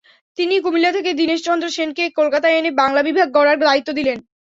তিনিই কুমিল্লা থেকে দীনেশচন্দ্র সেনকে কলকাতায় এনে বাংলা বিভাগ গড়ার দায়িত্ব দিলেন।